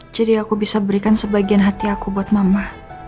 jadi aku bisa berikan sebagian hati aku buat mama